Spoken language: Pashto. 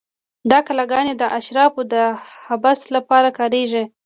دا کلاګانې د اشرافو د حبس لپاره کارېدلې.